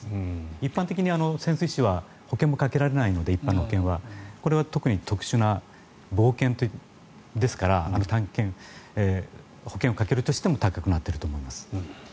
一般的に潜水士は一般の保険もかけられないのでこれは特に特殊な冒険、探検ですから保険をかけるとしても高くなっていると思います。